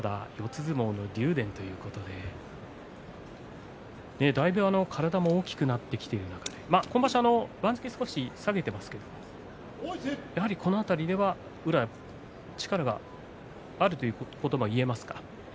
相撲の竜電ということでだいぶ体も大きくなってきている中で、今場所番付少し下げていますけどこの辺りでは宇良は力があるということがいえますか。